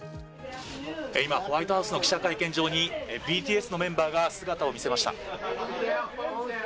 今、ホワイトハウスの記者会見場にＢＴＳのメンバーが姿を見せました。